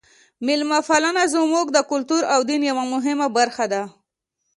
میلمه پالنه زموږ د کلتور او دین یوه مهمه برخه ده.